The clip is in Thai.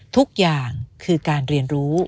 ทุกอย่างคือการเรียนรู้